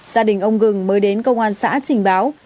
gia đình ông gừng mới đến công an xã trình báo